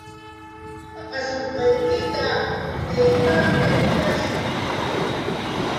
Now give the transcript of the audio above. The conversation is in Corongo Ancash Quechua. Maqashunqaykita taytanta willashun.